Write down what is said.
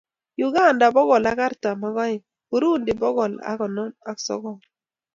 Uganda bogol ak artam ak aeng Burundi bogol ak konom ak sogol